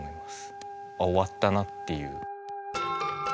あ終わったなっていう。